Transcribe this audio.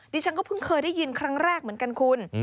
ฉันก็เพิ่งเคยได้ยินครั้งแรกเหมือนกันคุณ